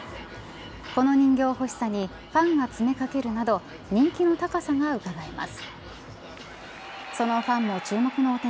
この人形欲しさにファンが詰めかけるなど人気の高さがうかがえます。